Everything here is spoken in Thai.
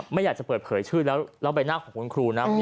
ไม่อยากจะเปิดเผยชื่อแล้วใบหน้าของคุณครูนะ